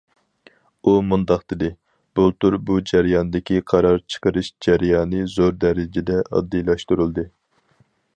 ئۇ مۇنداق دېدى، بۇلتۇر بۇ جەرياندىكى قارار چىقىرىش جەريانى زور دەرىجىدە ئاددىيلاشتۇرۇلدى.